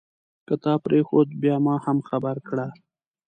که تا پرېښود بیا ما هم خبر کړه.